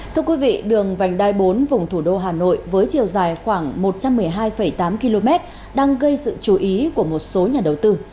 thưa quý vị đường vành đai bốn vùng thủ đô hà nội với chiều dài khoảng một trăm một mươi hai tám km đang gây sự chú ý của một số nhà đầu tư